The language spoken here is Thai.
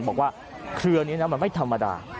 บอกว่าเคลือนี้นะมันไม่ธรรมดา